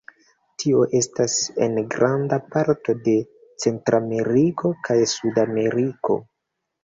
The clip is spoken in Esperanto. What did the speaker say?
Tio estas en granda parto de Centrameriko kaj Sudameriko.